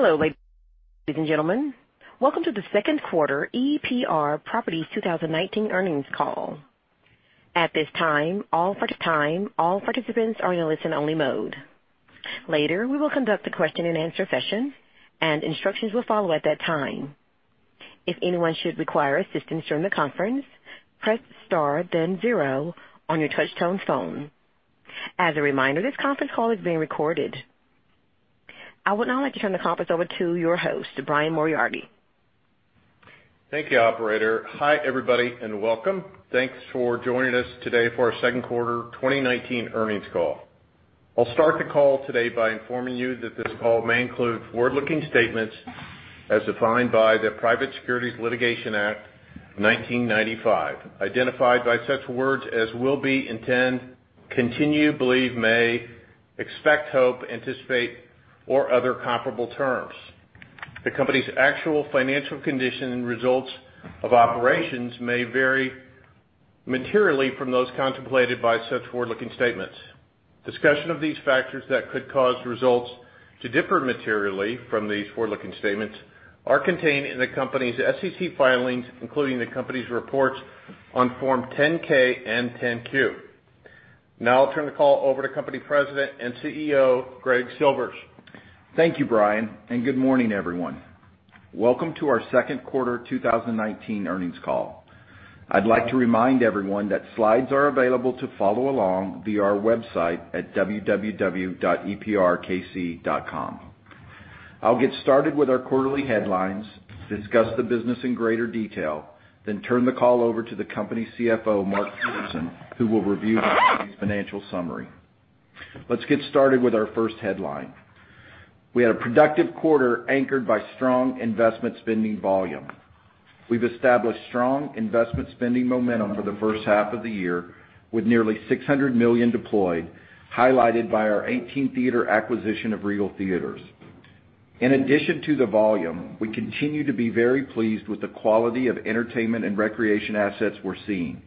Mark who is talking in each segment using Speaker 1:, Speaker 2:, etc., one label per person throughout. Speaker 1: Hello, ladies and gentlemen. Welcome to the second quarter EPR Properties 2019 earnings call. At this time, all participants are in listen only mode. Later, we will conduct a question and answer session, and instructions will follow at that time. If anyone should require assistance during the conference, press star then zero on your touch-tone phone. As a reminder, this conference call is being recorded. I would now like to turn the conference over to your host, Brian Moriarty.
Speaker 2: Thank you, operator. Hi, everybody, and welcome. Thanks for joining us today for our second quarter 2019 earnings call. I'll start the call today by informing you that this call may include forward-looking statements as defined by the Private Securities Litigation Reform Act of 1995, identified by such words as will be, intend, continue, believe, may, expect, hope, anticipate, or other comparable terms. The company's actual financial condition and results of operations may vary materially from those contemplated by such forward-looking statements. Discussion of these factors that could cause results to differ materially from these forward-looking statements are contained in the company's SEC filings, including the company's reports on Form 10-K and 10-Q. Now I'll turn the call over to Company President and CEO, Greg Silvers.
Speaker 3: Thank you, Brian, and good morning, everyone. Welcome to our second quarter 2019 earnings call. I'd like to remind everyone that slides are available to follow along via our website at www.eprkc.com. I'll get started with our quarterly headlines, discuss the business in greater detail, then turn the call over to the Company CFO, Mark Peterson, who will review the company's financial summary. Let's get started with our first headline. We had a productive quarter anchored by strong investment spending volume. We've established strong investment spending momentum for the first half of the year with nearly $600 million deployed, highlighted by our 18-theater acquisition of Regal Cinemas. In addition to the volume, we continue to be very pleased with the quality of entertainment and recreation assets we're seeing.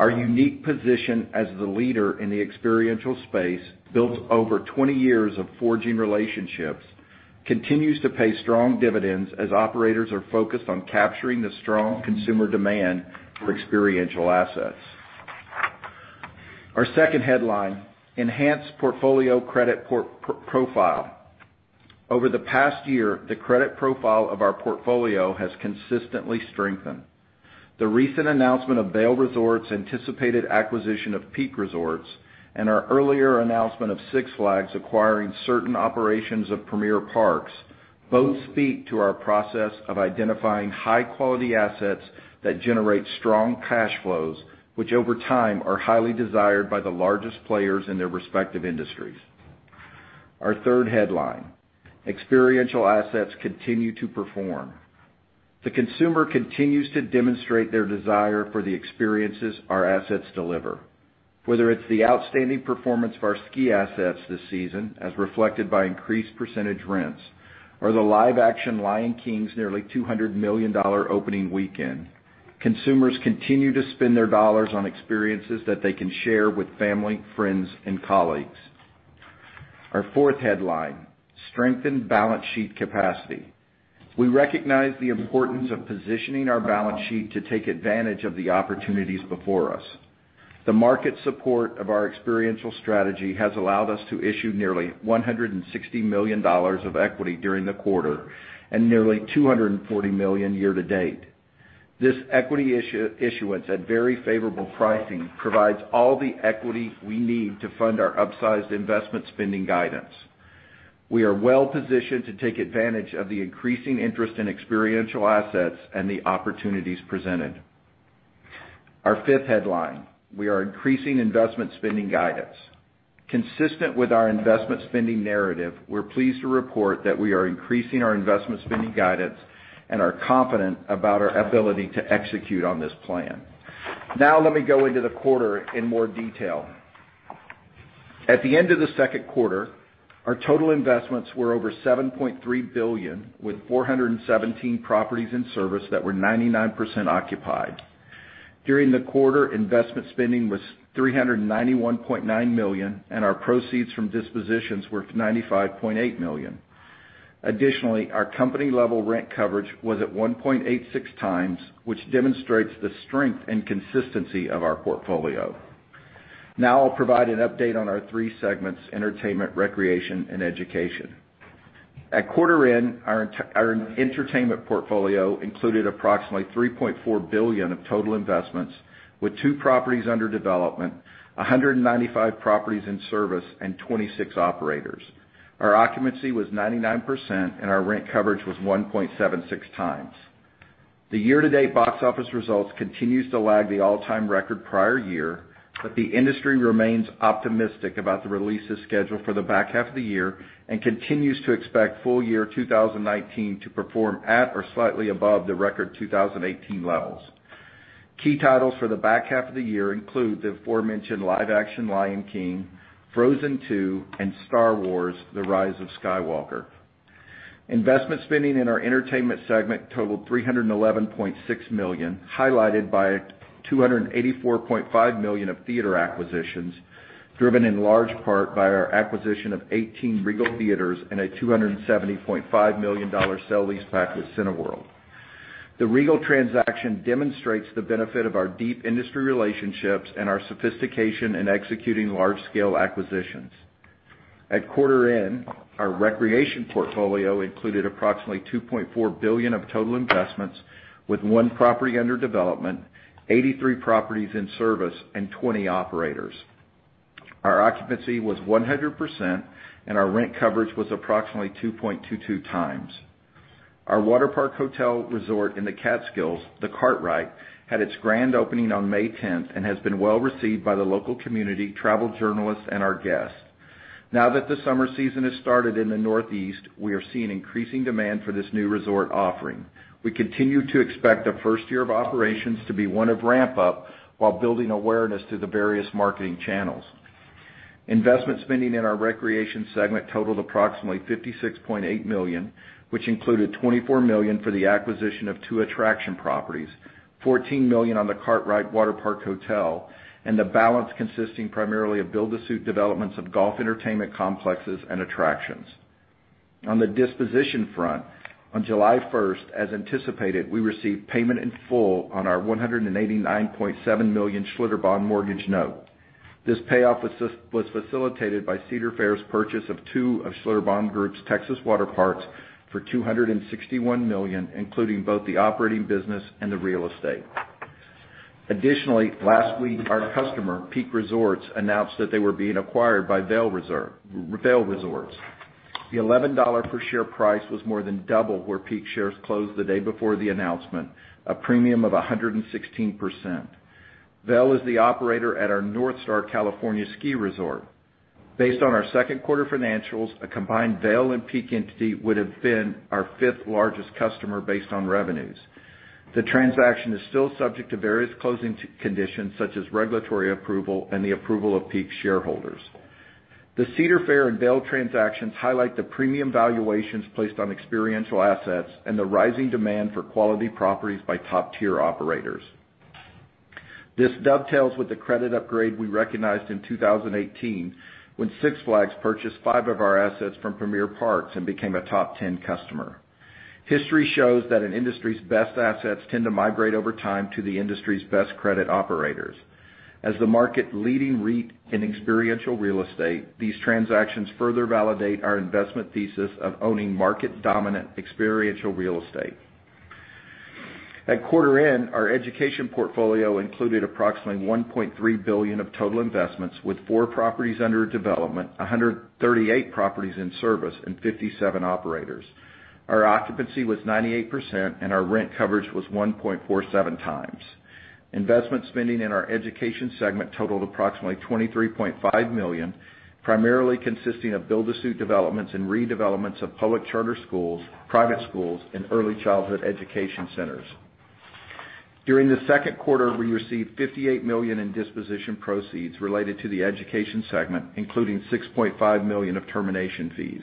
Speaker 3: Our unique position as the leader in the experiential space, built over 20 years of forging relationships, continues to pay strong dividends as operators are focused on capturing the strong consumer demand for experiential assets. Our second headline, enhanced portfolio credit profile. Over the past year, the credit profile of our portfolio has consistently strengthened. The recent announcement of Vail Resorts' anticipated acquisition of Peak Resorts and our earlier announcement of Six Flags acquiring certain operations of Premier Parks both speak to our process of identifying high-quality assets that generate strong cash flows, which over time are highly desired by the largest players in their respective industries. Our third headline, experiential assets continue to perform. The consumer continues to demonstrate their desire for the experiences our assets deliver. Whether it's the outstanding performance of our ski assets this season, as reflected by increased percentage rents, or the live-action The Lion King's nearly $200 million opening weekend, consumers continue to spend their dollars on experiences that they can share with family, friends, and colleagues. Our fourth headline, strengthened balance sheet capacity. We recognize the importance of positioning our balance sheet to take advantage of the opportunities before us. The market support of our experiential strategy has allowed us to issue nearly $160 million of equity during the quarter and nearly $240 million year to date. This equity issuance at very favorable pricing provides all the equity we need to fund our upsized investment spending guidance. We are well-positioned to take advantage of the increasing interest in experiential assets and the opportunities presented. Our fifth headline, we are increasing investment spending guidance. Consistent with our investment spending narrative, we're pleased to report that we are increasing our investment spending guidance and are confident about our ability to execute on this plan. Now let me go into the quarter in more detail. At the end of the second quarter, our total investments were over $7.3 billion, with 417 properties in service that were 99% occupied. During the quarter, investment spending was $391.9 million, and our proceeds from dispositions were $95.8 million. Additionally, our company-level rent coverage was at 1.86 times, which demonstrates the strength and consistency of our portfolio. Now I'll provide an update on our three segments, entertainment, recreation, and education. At quarter end, our entertainment portfolio included approximately $3.4 billion of total investments, with two properties under development, 195 properties in service, and 26 operators. Our occupancy was 99%, and our rent coverage was 1.76 times. The year-to-date box office results continues to lag the all-time record prior year, but the industry remains optimistic about the releases scheduled for the back half of the year and continues to expect full year 2019 to perform at or slightly above the record 2018 levels. Key titles for the back half of the year include the aforementioned live action The Lion King, Frozen II, and Star Wars: The Rise of Skywalker. Investment spending in our entertainment segment totaled $311.6 million, highlighted by $284.5 million of theater acquisitions, driven in large part by our acquisition of 18 Regal Cinemas and a $270.5 million sale-leaseback with Cineworld. The Regal transaction demonstrates the benefit of our deep industry relationships and our sophistication in executing large-scale acquisitions. At quarter end, our recreation portfolio included approximately $2.4 billion of total investments, with one property under development, 83 properties in service, and 20 operators. Our occupancy was 100%, and our rent coverage was approximately 2.22 times. Our water park hotel resort in the Catskills, The Kartrite, had its grand opening on May 10th and has been well-received by the local community, travel journalists, and our guests. Now that the summer season has started in the Northeast, we are seeing increasing demand for this new resort offering. We continue to expect the first year of operations to be one of ramp-up while building awareness through the various marketing channels. Investment spending in our recreation segment totaled approximately $56.8 million, which included $24 million for the acquisition of two attraction properties, $14 million on The Kartrite Waterpark Hotel, and the balance consisting primarily of build-to-suit developments of golf entertainment complexes and attractions. On the disposition front, on July 1st, as anticipated, we received payment in full on our $189.7 million Schlitterbahn mortgage note. This payoff was facilitated by Cedar Fair's purchase of two of Schlitterbahn Group's Texas water parks for $261 million, including both the operating business and the real estate. Additionally, last week, our customer, Peak Resorts, announced that they were being acquired by Vail Resorts. The $11 per share price was more than double where Peak shares closed the day before the announcement, a premium of 116%. Vail is the operator at our Northstar California ski resort. Based on our second quarter financials, a combined Vail and Peak entity would've been our fifth-largest customer based on revenues. The transaction is still subject to various closing conditions, such as regulatory approval and the approval of Peak shareholders. The Cedar Fair and Vail transactions highlight the premium valuations placed on experiential assets and the rising demand for quality properties by top-tier operators. This dovetails with the credit upgrade we recognized in 2018 when Six Flags purchased five of our assets from Premier Parks and became a top 10 customer. History shows that an industry's best assets tend to migrate over time to the industry's best credit operators. As the market-leading REIT in experiential real estate, these transactions further validate our investment thesis of owning market-dominant experiential real estate. At quarter end, our education portfolio included approximately $1.3 billion of total investments, with four properties under development, 138 properties in service, and 57 operators. Our occupancy was 98%, and our rent coverage was 1.47 times. Investment spending in our education segment totaled approximately $23.5 million, primarily consisting of build-to-suit developments and redevelopments of public charter schools, private schools, and early childhood education centers. During the second quarter, we received $58 million in disposition proceeds related to the education segment, including $6.5 million of termination fees.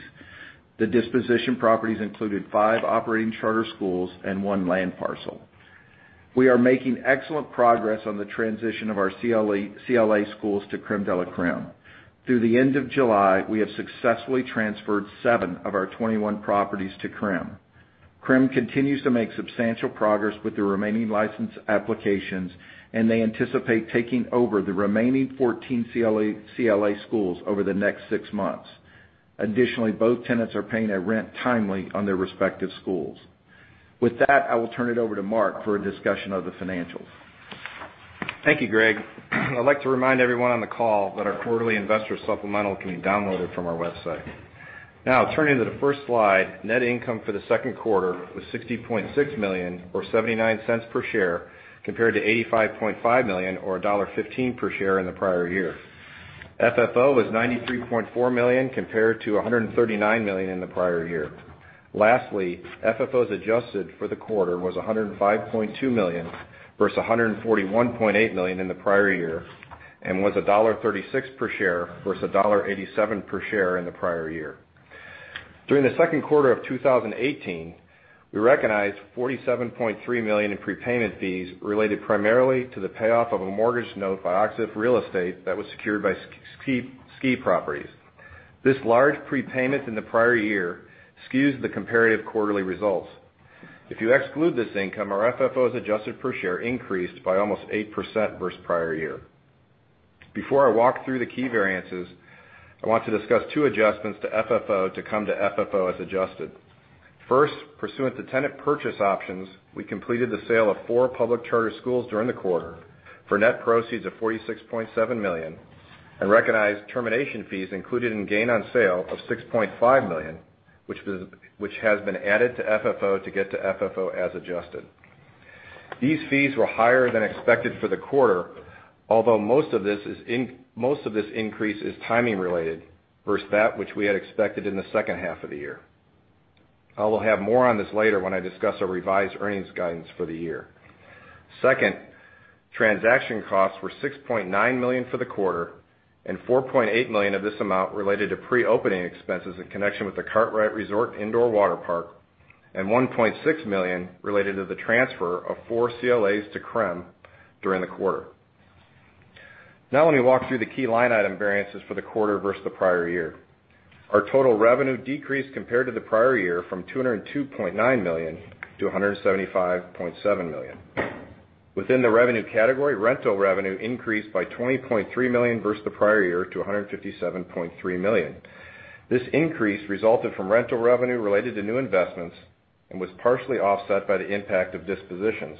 Speaker 3: The disposition properties included five operating charter schools and one land parcel. We are making excellent progress on the transition of our CLA schools to Crème de la Crème. Through the end of July, we have successfully transferred seven of our 21 properties to Crème. Crème continues to make substantial progress with the remaining license applications, they anticipate taking over the remaining 14 CLA schools over the next six months. Additionally, both tenants are paying their rent timely on their respective schools. With that, I will turn it over to Mark for a discussion of the financials.
Speaker 4: Thank you, Greg. I'd like to remind everyone on the call that our quarterly investor supplemental can be downloaded from our website. Turning to the first slide, net income for the second quarter was $60.6 million, or $0.79 per share, compared to $85.5 million, or $1.15 per share in the prior year. FFO was $93.4 million, compared to $139 million in the prior year. FFO as adjusted for the quarter was $105.2 million versus $141.8 million in the prior year, and was $1.36 per share versus $1.87 per share in the prior year. During the second quarter of 2018, we recognized $47.3 million in prepayment fees related primarily to the payoff of a mortgage note by Och-Ziff Real Estate that was secured by ski properties. This large prepayment in the prior year skews the comparative quarterly results. If you exclude this income, our FFO as adjusted per share increased by almost 8% versus prior year. Before I walk through the key variances, I want to discuss two adjustments to FFO to come to FFO as adjusted. First, pursuant to tenant purchase options, we completed the sale of four public charter schools during the quarter for net proceeds of $46.7 million and recognized termination fees included in gain on sale of $6.5 million, which has been added to FFO to get to FFO as adjusted. These fees were higher than expected for the quarter, although most of this increase is timing related versus that which we had expected in the second half of the year. I will have more on this later when I discuss our revised earnings guidance for the year. Second, transaction costs were $6.9 million for the quarter. Four point eight million of this amount related to pre-opening expenses in connection with the Kartrite Resort and Indoor Waterpark and $1.6 million related to the transfer of four CLAs to Crème during the quarter. Now let me walk through the key line item variances for the quarter versus the prior year. Our total revenue decreased compared to the prior year from $202.9 million to $175.7 million. Within the revenue category, rental revenue increased by $20.3 million versus the prior year to $157.3 million. This increase resulted from rental revenue related to new investments and was partially offset by the impact of dispositions.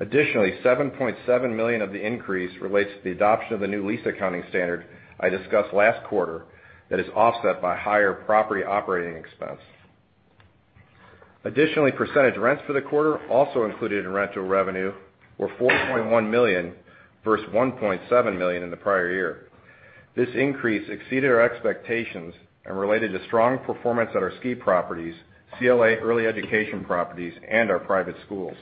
Speaker 4: Additionally, $7.7 million of the increase relates to the adoption of the new lease accounting standard I discussed last quarter that is offset by higher property operating expense. Additionally, percentage rents for the quarter also included in rental revenue were $4.1 million versus $1.7 million in the prior year. This increase exceeded our expectations and related to strong performance at our ski properties, CLA Early Education properties, and our private schools.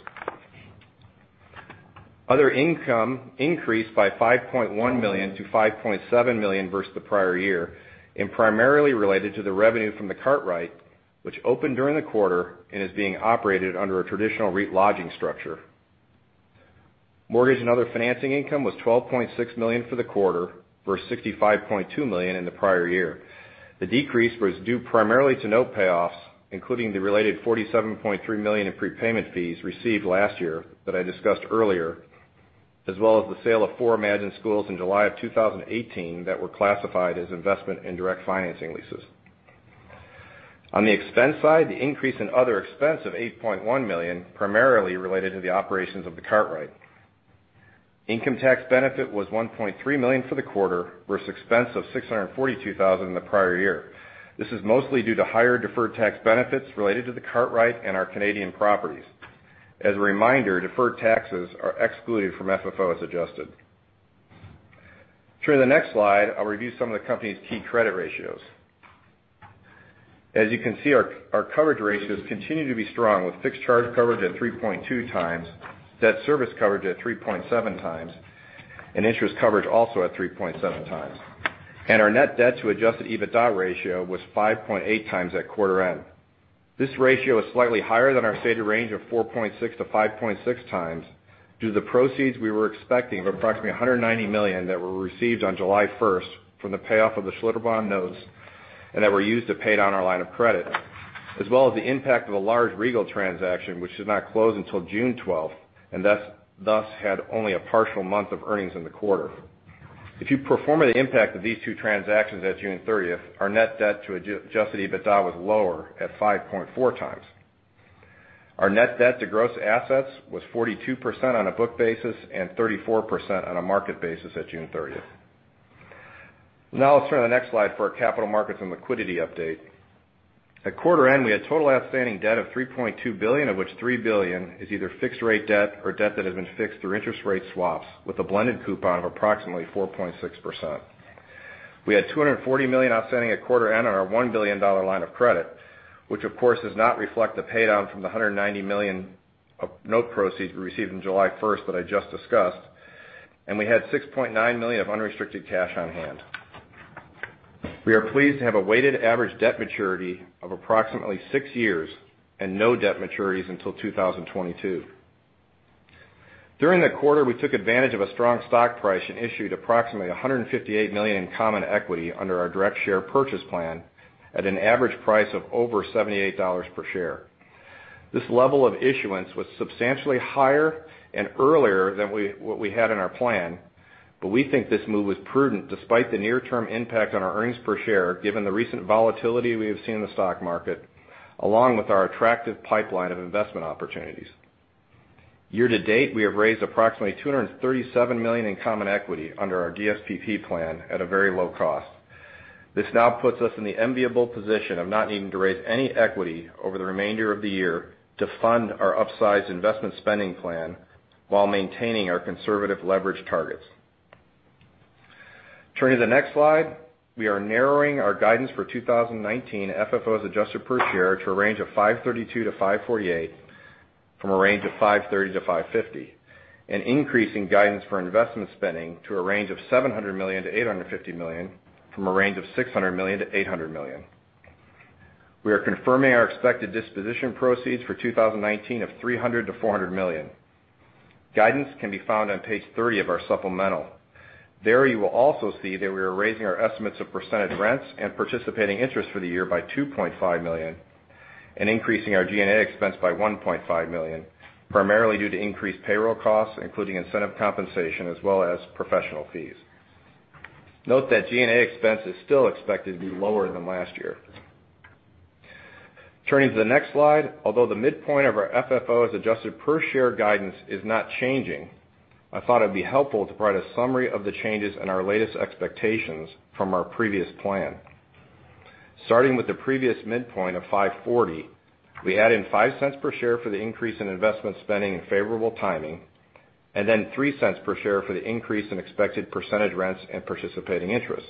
Speaker 4: Other income increased by $5.1 million to $5.7 million versus the prior year and primarily related to the revenue from The Kartrite, which opened during the quarter and is being operated under a traditional REIT lodging structure. Mortgage and other financing income was $12.6 million for the quarter versus $65.2 million in the prior year. The decrease was due primarily to note payoffs, including the related $47.3 million in prepayment fees received last year that I discussed earlier, as well as the sale of four Imagine Schools in July of 2018 that were classified as investment in direct financing leases. On the expense side, the increase in other expense of $8.1 million primarily related to the operations of The Kartrite. Income tax benefit was $1.3 million for the quarter versus expense of $642,000 in the prior year. This is mostly due to higher deferred tax benefits related to The Kartrite and our Canadian properties. As a reminder, deferred taxes are excluded from FFO as adjusted. Turning to the next slide, I'll review some of the company's key credit ratios. As you can see, our coverage ratios continue to be strong with fixed charge coverage at 3.2 times, debt service coverage at 3.7 times, interest coverage also at 3.7 times. Our net debt to adjusted EBITDA ratio was 5.8 times at quarter end. This ratio is slightly higher than our stated range of 4.6 to 5.6 times, due to the proceeds we were expecting of approximately $190 million that were received on July 1st from the payoff of the Schlitterbahn notes and that were used to pay down our line of credit, as well as the impact of a large Regal transaction, which did not close until June 12th, and thus had only a partial month of earnings in the quarter. If you pro forma the impact of these two transactions at June 30th, our net debt to adjusted EBITDA was lower at 5.4 times. Our net debt to gross assets was 42% on a book basis and 34% on a market basis at June 30th. Let's turn to the next slide for our capital markets and liquidity update. At quarter end, we had total outstanding debt of $3.2 billion, of which $3 billion is either fixed rate debt or debt that has been fixed through interest rate swaps with a blended coupon of approximately 4.6%. We had $240 million outstanding at quarter end on our $1 billion line of credit, which of course, does not reflect the pay down from the $190 million of note proceeds we received in July 1st that I just discussed, and we had $6.9 million of unrestricted cash on hand. We are pleased to have a weighted average debt maturity of approximately six years and no debt maturities until 2022. During the quarter, we took advantage of a strong stock price and issued approximately $158 million in common equity under our Direct Stock Purchase Plan at an average price of over $78 per share. This level of issuance was substantially higher and earlier than what we had in our plan. We think this move was prudent despite the near-term impact on our earnings per share, given the recent volatility we have seen in the stock market, along with our attractive pipeline of investment opportunities. Year to date, we have raised approximately $237 million in common equity under our DSPP plan at a very low cost. This now puts us in the enviable position of not needing to raise any equity over the remainder of the year to fund our upsized investment spending plan while maintaining our conservative leverage targets. Turning to the next slide. We are narrowing our guidance for 2019 AFFO per share to a range of $5.32-$5.48 from a range of $5.30-$5.50, and increasing guidance for investment spending to a range of $700 million-$850 million from a range of $600 million-$800 million. We are confirming our expected disposition proceeds for 2019 of $300 million-$400 million. Guidance can be found on page 30 of our supplemental. There you will also see that we are raising our estimates of percentage rents and participating interest for the year by $2.5 million and increasing our G&A expense by $1.5 million, primarily due to increased payroll costs, including incentive compensation as well as professional fees. Note that G&A expense is still expected to be lower than last year. Turning to the next slide. Although the midpoint of our FFO adjusted per share guidance is not changing, I thought it'd be helpful to provide a summary of the changes in our latest expectations from our previous plan. Starting with the previous midpoint of $5.40, we add in $0.05 per share for the increase in investment spending and favorable timing, and then $0.03 per share for the increase in expected percentage rents and participating interest.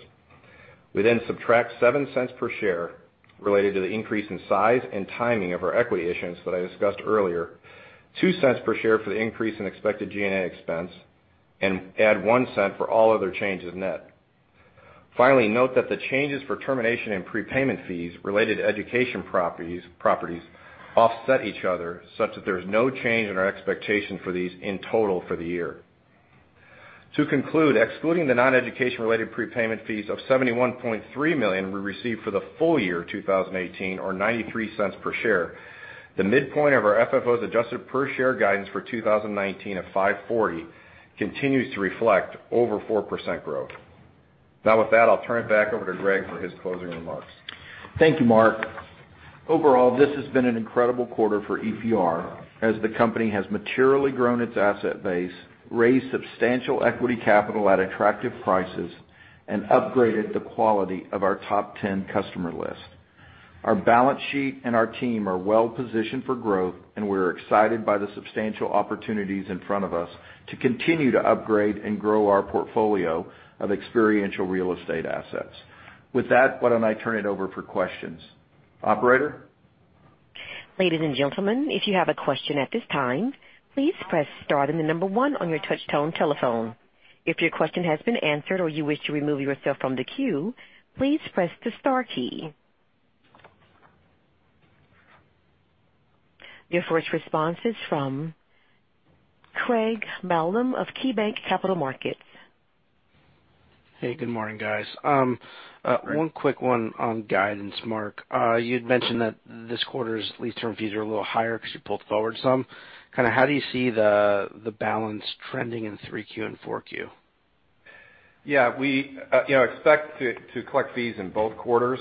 Speaker 4: We then subtract $0.07 per share related to the increase in size and timing of our equity issuance that I discussed earlier, $0.02 per share for the increase in expected G&A expense, and add $0.01 for all other changes net. Finally, note that the changes for termination and prepayment fees related to education properties offset each other, such that there is no change in our expectation for these in total for the year. To conclude, excluding the non-education related prepayment fees of $71.3 million we received for the full year 2018, or $0.93 per share, the midpoint of our FFO adjusted per share guidance for 2019 of $5.40 continues to reflect over 4% growth. With that, I'll turn it back over to Greg for his closing remarks.
Speaker 3: Thank you, Mark. Overall, this has been an incredible quarter for EPR, as the company has materially grown its asset base, raised substantial equity capital at attractive prices, and upgraded the quality of our top 10 customer list. Our balance sheet and our team are well-positioned for growth, and we're excited by the substantial opportunities in front of us to continue to upgrade and grow our portfolio of experiential real estate assets. With that, why don't I turn it over for questions? Operator?
Speaker 1: Ladies and gentlemen, if you have a question at this time, please press star and the number one on your touch-tone telephone. If your question has been answered or you wish to remove yourself from the queue, please press the star key. Your first response is from Craig Mailman of KeyBanc Capital Markets.
Speaker 5: Hey, good morning, guys.
Speaker 3: Craig.
Speaker 5: One quick one on guidance, Mark. You'd mentioned that this quarter's lease term fees are a little higher because you pulled forward some. How do you see the balance trending in three Q and four Q?
Speaker 4: Yeah. We expect to collect fees in both quarters.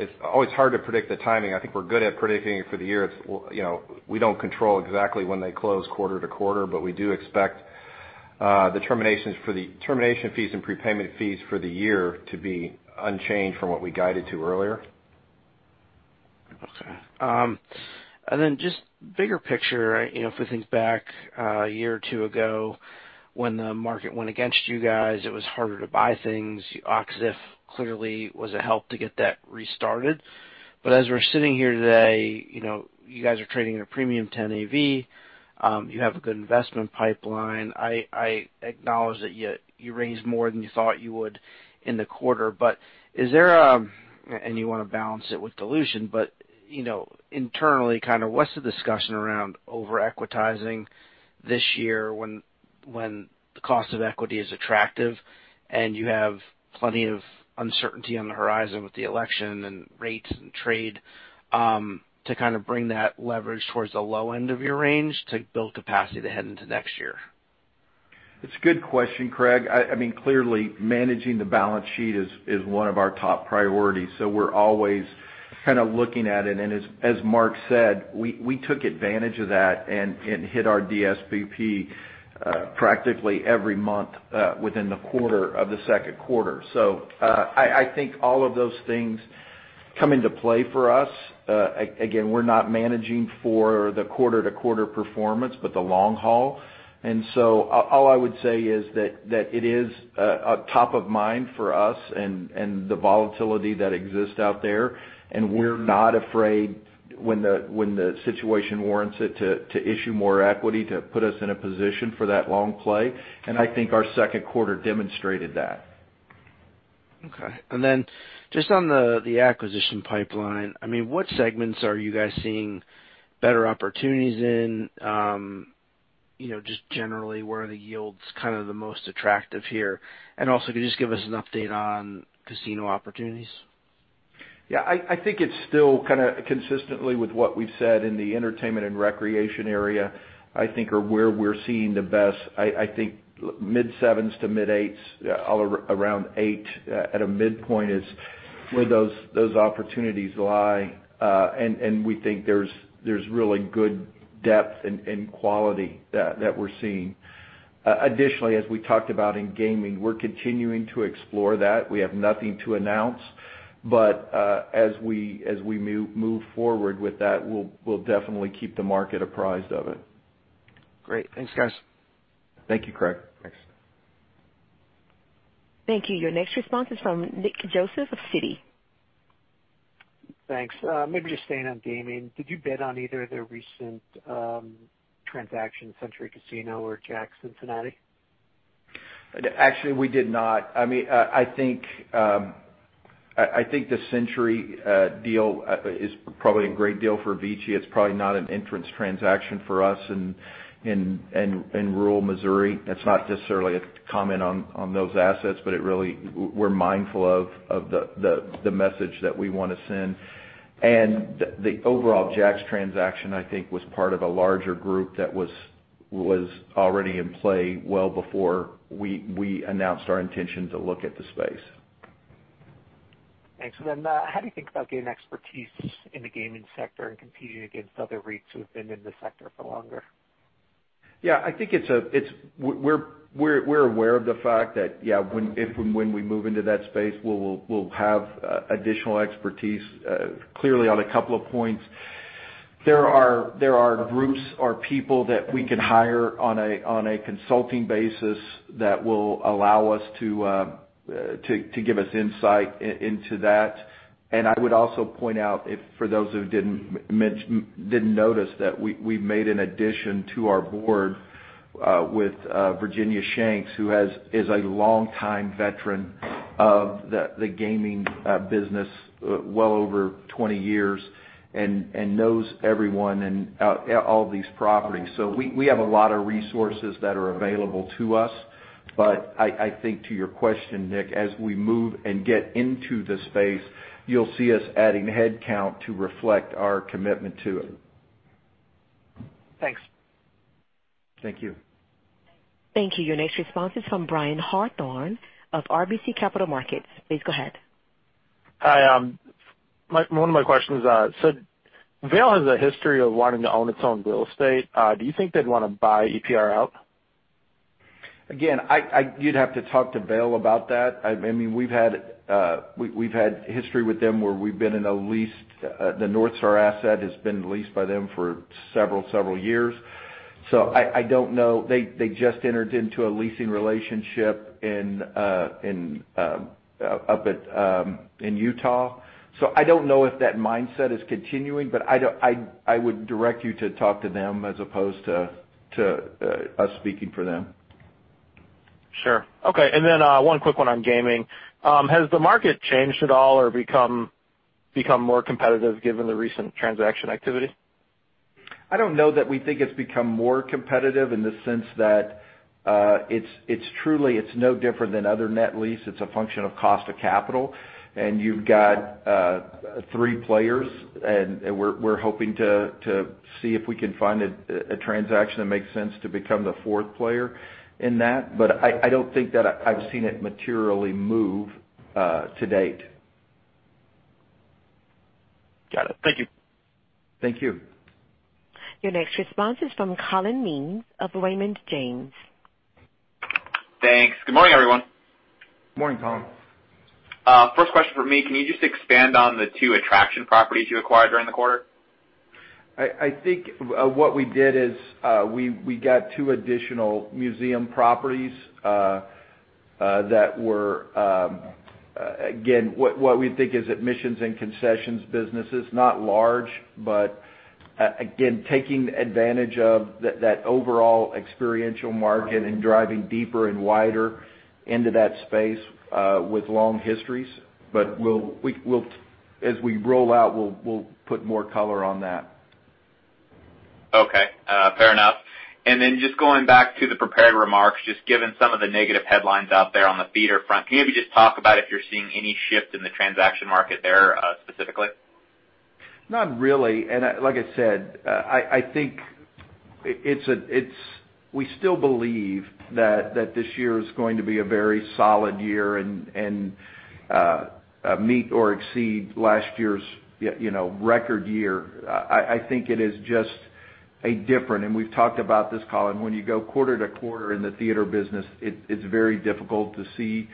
Speaker 4: It's always hard to predict the timing. I think we're good at predicting it for the year. We don't control exactly when they close quarter to quarter, but we do expect the termination fees and prepayment fees for the year to be unchanged from what we guided to earlier.
Speaker 5: Okay. Then just bigger picture, for things back a year or two ago when the market went against you guys, it was harder to buy things. Och-Ziff clearly was a help to get that restarted. As we're sitting here today, you guys are trading at a premium 10 AV. You have a good investment pipeline. I acknowledge that you raised more than you thought you would in the quarter. You want to balance it with dilution, but internally, what's the discussion around over-equitizing this year when the cost of equity is attractive and you have plenty of uncertainty on the horizon with the election and rates and trade to bring that leverage towards the low end of your range to build capacity to head into next year?
Speaker 3: It's a good question, Craig. Clearly, managing the balance sheet is one of our top priorities. We're always looking at it. As Mark said, we took advantage of that and hit our DSPP practically every month within the quarter of the second quarter. I think all of those things come into play for us. Again, we're not managing for the quarter-to-quarter performance, but the long haul. All I would say is that it is top of mind for us and the volatility that exists out there, and we're not afraid when the situation warrants it to issue more equity to put us in a position for that long play. I think our second quarter demonstrated that.
Speaker 5: Okay. Then just on the acquisition pipeline, what segments are you guys seeing better opportunities in? Just generally, where are the yields the most attractive here? Also, could you just give us an update on casino opportunities?
Speaker 3: Yeah, I think it's still kind of consistently with what we've said in the entertainment and recreation area, I think are where we're seeing the best. I think mid 7s to mid 8s, all around 8 at a midpoint is where those opportunities lie. We think there's really good depth and quality that we're seeing. Additionally, as we talked about in gaming, we're continuing to explore that. We have nothing to announce, but as we move forward with that, we'll definitely keep the market apprised of it.
Speaker 5: Great. Thanks, guys.
Speaker 3: Thank you, Craig.
Speaker 4: Thanks.
Speaker 1: Thank you. Your next response is from Nick Joseph of Citi.
Speaker 6: Thanks. Maybe just staying on gaming. Did you bid on either of the recent transactions, Century Casino or Jack Cincinnati?
Speaker 3: Actually, we did not. I think the Century deal is probably a great deal for VICI. It's probably not an entrance transaction for us in rural Missouri. That's not necessarily a comment on those assets, but we're mindful of the message that we want to send. The overall Jack's transaction, I think, was part of a larger group that was already in play well before we announced our intention to look at the space.
Speaker 6: Thanks. How do you think about getting expertise in the gaming sector and competing against other REITs who have been in the sector for longer?
Speaker 3: Yeah. We're aware of the fact that if and when we move into that space, we'll have additional expertise. Clearly, on a couple of points. There are groups or people that we can hire on a consulting basis that will allow us to give us insight into that. I would also point out, for those who didn't notice, that we made an addition to our board with Virginia Shanks, who is a longtime veteran of the gaming business, well over 20 years, and knows everyone and all these properties. We have a lot of resources that are available to us. I think to your question, Nick, as we move and get into the space, you'll see us adding headcount to reflect our commitment to it.
Speaker 6: Thanks.
Speaker 3: Thank you.
Speaker 1: Thank you. Your next response is from Brian Hawthorne of RBC Capital Markets. Please go ahead.
Speaker 7: Hi. One of my questions. Vail has a history of wanting to own its own real estate. Do you think they'd want to buy EPR out?
Speaker 3: You'd have to talk to Vail about that. We've had history with them where we've been in a lease. The Northstar asset has been leased by them for several years. I don't know. They just entered into a leasing relationship in Utah. I don't know if that mindset is continuing, but I would direct you to talk to them as opposed to us speaking for them.
Speaker 7: Sure. Okay. One quick one on gaming. Has the market changed at all or become more competitive given the recent transaction activity?
Speaker 3: I don't know that we think it's become more competitive in the sense that it's no different than other net lease. It's a function of cost of capital, and you've got three players, and we're hoping to see if we can find a transaction that makes sense to become the fourth player in that. I don't think that I've seen it materially move to date.
Speaker 7: Got it. Thank you.
Speaker 3: Thank you.
Speaker 1: Your next response is from Collin Mings of Raymond James.
Speaker 8: Thanks. Good morning, everyone.
Speaker 3: Morning, Collin.
Speaker 8: First question from me, can you just expand on the two attraction properties you acquired during the quarter?
Speaker 3: I think what we did is, we got two additional museum properties, that were, again, what we think is admissions and concessions businesses. Not large, but again, taking advantage of that overall experiential market and driving deeper and wider into that space, with long histories. As we roll out, we'll put more color on that.
Speaker 8: Okay. Fair enough. Just going back to the prepared remarks, just given some of the negative headlines out there on the theater front, can you maybe just talk about if you're seeing any shift in the transaction market there, specifically?
Speaker 3: Not really. Like I said, we still believe that this year is going to be a very solid year and meet or exceed last year's record year. I think it is just different, we've talked about this, Collin. When you go quarter to quarter in the theater business, it's very difficult to see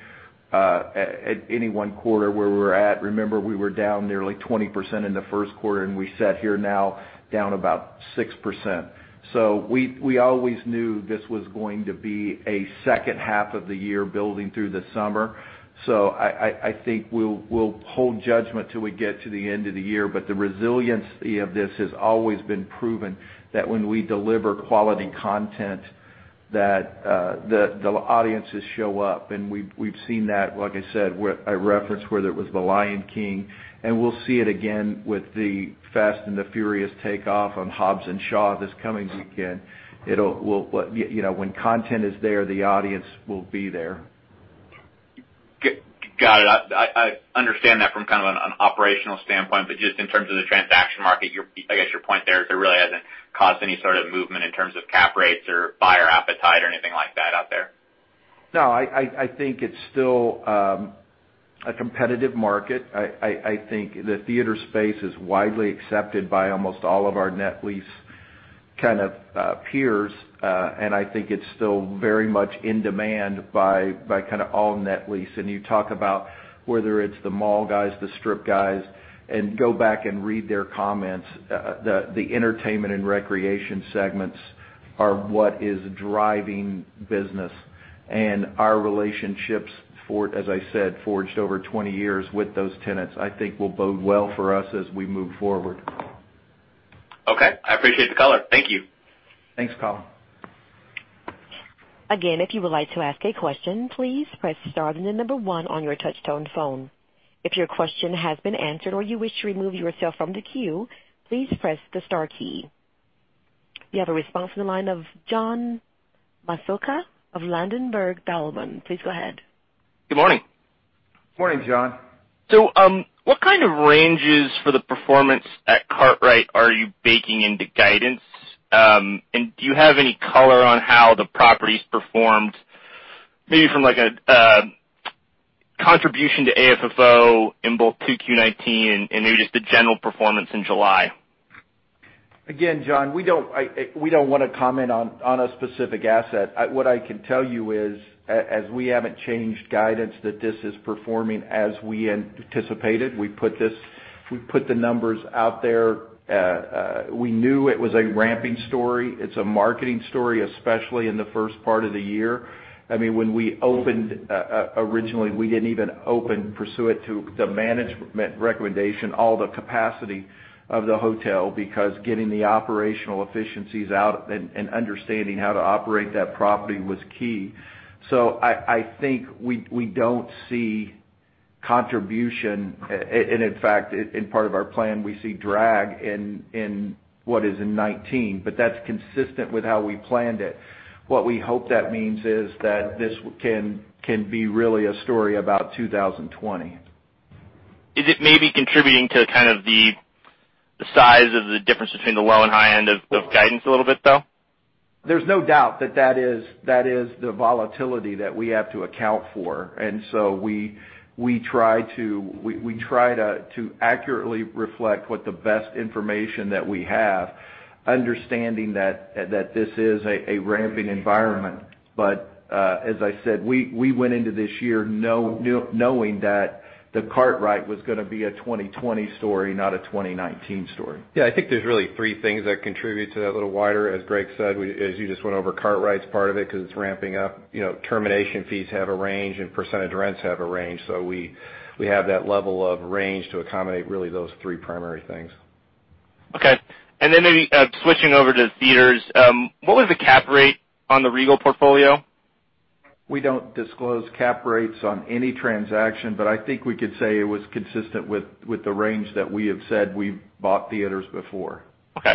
Speaker 3: any one quarter where we're at. Remember, we were down nearly 20% in the first quarter, and we sat here now down about 6%. We always knew this was going to be a second half of the year building through the summer. I think we'll hold judgment till we get to the end of the year. The resiliency of this has always been proven, that when we deliver quality content, that the audiences show up, and we've seen that, like I said, I referenced whether it was "The Lion King," and we'll see it again with The Fast and the Furious takeoff on Hobbs & Shaw this coming weekend. When content is there, the audience will be there.
Speaker 8: Got it. I understand that from kind of an operational standpoint, but just in terms of the transaction market, I guess your point there is it really hasn't caused any sort of movement in terms of cap rates or buyer appetite or anything like that out there.
Speaker 3: No, I think it's still a competitive market. I think the theater space is widely accepted by almost all of our net lease kind of peers. I think it's still very much in demand by kind of all net lease. You talk about whether it's the mall guys, the strip guys, and go back and read their comments. The entertainment and recreation segments are what is driving business. Our relationships, as I said, forged over 20 years with those tenants, I think will bode well for us as we move forward.
Speaker 8: Okay. I appreciate the color. Thank you.
Speaker 3: Thanks, Collin.
Speaker 1: Again, if you would like to ask a question, please press star and the number 1 on your touch tone phone. If your question has been answered or you wish to remove yourself from the queue, please press the star key. We have a response on the line of John Massocca of Ladenburg Thalmann. Please go ahead.
Speaker 9: Good morning.
Speaker 3: Morning, John.
Speaker 9: What kind of ranges for the performance at Kartrite are you baking into guidance? And do you have any color on how the property's performed, maybe from, like, a contribution to AFFO in both 2Q19 and maybe just the general performance in July?
Speaker 3: Again, John, we don't want to comment on a specific asset. What I can tell you is, as we haven't changed guidance, that this is performing as we anticipated. We put the numbers out there. We knew it was a ramping story. It's a marketing story, especially in the first part of the year. When we opened originally, we didn't even open, pursuant to the management recommendation, all the capacity of the hotel, because getting the operational efficiencies out and understanding how to operate that property was key. I think we don't see contribution, and in fact, in part of our plan, we see drag in what is in 2019, but that's consistent with how we planned it. What we hope that means is that this can be really a story about 2020.
Speaker 9: Is it maybe contributing to kind of the size of the difference between the low and high end of guidance a little bit, though?
Speaker 3: There's no doubt that is the volatility that we have to account for. We try to accurately reflect what the best information that we have, understanding that this is a ramping environment. As I said, we went into this year knowing that the Kartrite was gonna be a 2020 story, not a 2019 story.
Speaker 4: Yeah, I think there's really three things that contribute to that a little wider, as Greg said. As you just went over, Kartrite's part of it because it's ramping up. Termination fees have a range, and percentage rents have a range. We have that level of range to accommodate really those three primary things.
Speaker 9: Okay. Switching over to theaters, what was the cap rate on the Regal portfolio?
Speaker 3: We don't disclose cap rates on any transaction, but I think we could say it was consistent with the range that we have said we've bought theaters before.
Speaker 9: Okay.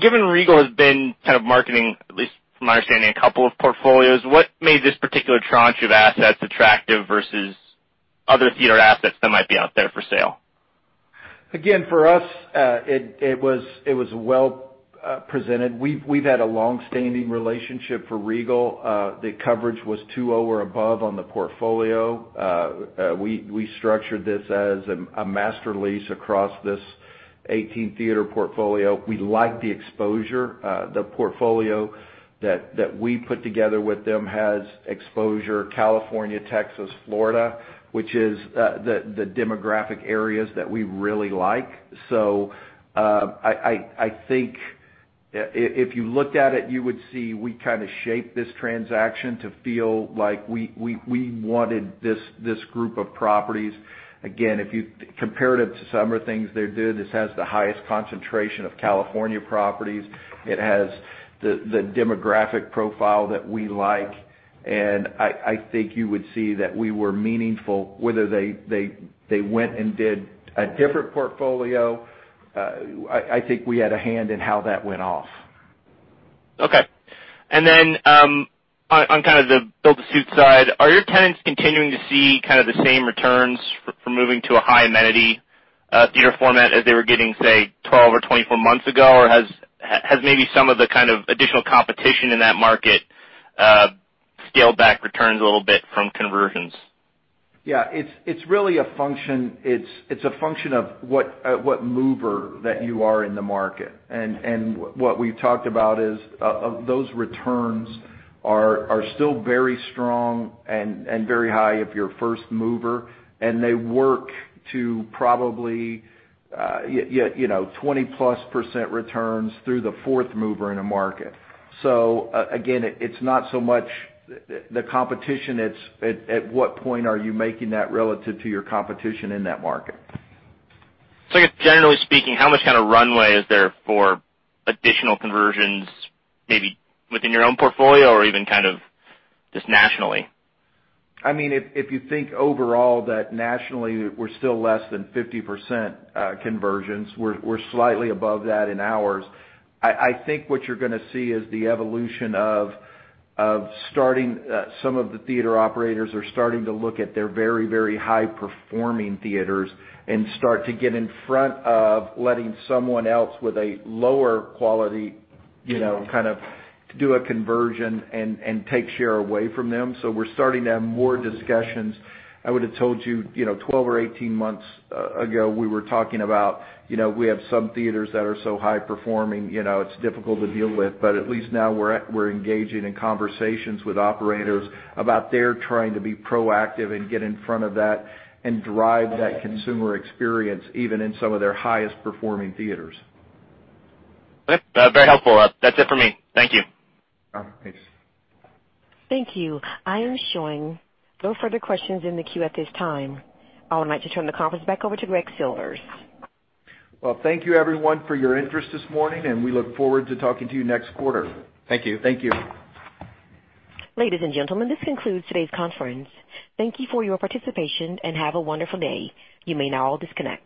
Speaker 9: Given Regal has been kind of marketing, at least from my understanding, a couple of portfolios, what made this particular tranche of assets attractive versus other theater assets that might be out there for sale?
Speaker 3: Again, for us, it was well presented. We've had a long-standing relationship for Regal. The coverage was 2.0 or above on the portfolio. We structured this as a master lease across this 18-theater portfolio. We like the exposure. The portfolio that we put together with them has exposure, California, Texas, Florida, which is the demographic areas that we really like. I think if you looked at it, you would see we kind of shaped this transaction to feel like we wanted this group of properties. Again, if you compared it to some of the things they did, this has the highest concentration of California properties. It has the demographic profile that we like. I think you would see that we were meaningful, whether they went and did a different portfolio, I think we had a hand in how that went off.
Speaker 9: Okay. Then, on kind of the build-to-suit side, are your tenants continuing to see kind of the same returns from moving to a high-amenity theater format as they were getting, say, 12 or 24 months ago? Has maybe some of the kind of additional competition in that market scaled back returns a little bit from conversions?
Speaker 3: Yeah. It's a function of what mover that you are in the market. What we've talked about is, of those returns are still very strong and very high if you're a first mover, and they work to probably 20+% returns through the fourth mover in a market. Again, it's not so much the competition, it's at what point are you making that relative to your competition in that market.
Speaker 9: I guess generally speaking, how much kind of runway is there for additional conversions, maybe within your own portfolio or even kind of just nationally?
Speaker 3: If you think overall that nationally we're still less than 50% conversions, we're slightly above that in ours. I think what you're gonna see is the evolution of starting. Some of the theater operators are starting to look at their very, very high-performing theaters and start to get in front of letting someone else with a lower quality, kind of do a conversion and take share away from them. We're starting to have more discussions. I would've told you 12 or 18 months ago, we were talking about, we have some theaters that are so high-performing, it's difficult to deal with. At least now we're engaging in conversations with operators about their trying to be proactive and get in front of that and drive that consumer experience even in some of their highest-performing theaters.
Speaker 9: That's very helpful. That's it for me. Thank you.
Speaker 3: Thanks.
Speaker 1: Thank you. I am showing no further questions in the queue at this time. I would like to turn the conference back over to Greg Silvers.
Speaker 3: Well, thank you, everyone, for your interest this morning, and we look forward to talking to you next quarter.
Speaker 4: Thank you.
Speaker 3: Thank you.
Speaker 1: Ladies and gentlemen, this concludes today's conference. Thank you for your participation, and have a wonderful day. You may now all disconnect.